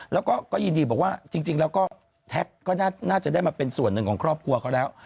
แล้วก็ยินดีบอกว่าจริงแล้วก็แท็กก็น่าจะได้มาเป็นส่วนหนึ่งของครอบครัวเขาแล้ว